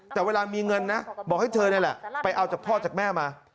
แต่เวลามีเงินนะบอกให้เธอนี่แหละไปเอาจากพ่อจากแม่มา